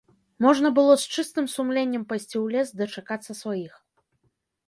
Можна было з чыстым сумленнем пайсці ў лес, дачакацца сваіх.